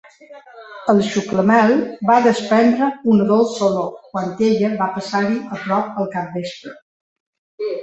El xuclamel va desprendre una dolça olor quan ella va passar-hi a prop al capvespre.